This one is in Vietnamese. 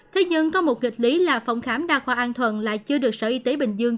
thế nhưng có một kịch lý là phòng khám đa khoa an thuận lại chưa được sở y tế bình dương